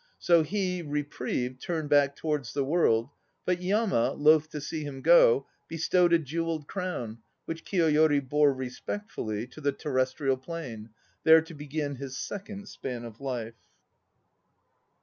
So he, reprieved, turned back towards the World; But Yama, loth to see him go, bestowed A jewelled crown, which Kiyoyori bore Respectfully to the Terrestrial Plane, There to begin his second span of life.